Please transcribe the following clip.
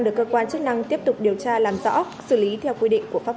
đối tượng bị xử lý là trần thị hà